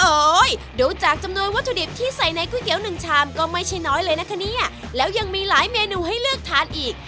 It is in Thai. ดูจากจำนวนวัตถุดิบที่ใส่ในก๋วยเตี๋ยวหนึ่งชามก็ไม่ใช่น้อยเลยนะคะเนี่ยแล้วยังมีหลายเมนูให้เลือกทานอีก